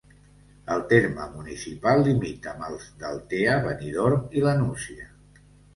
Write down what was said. El terme municipal limita amb els d'Altea, Benidorm i La Nucia.